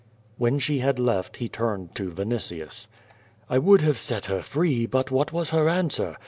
When she had left he turned to Vinitius. "I would have set her free, but what was her answer?